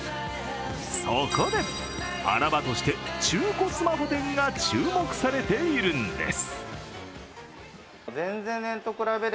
そこで穴場として中古スマホ店が注目されているんです。